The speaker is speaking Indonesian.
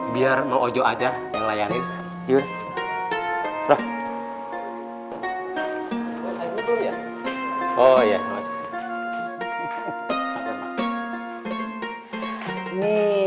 biar mau ojo aja ngelayanin